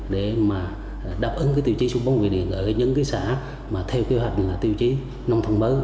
và đáp ứng tiêu chí số bốn về điện ở những xã mà theo kế hoạch là tiêu chí nông thông mới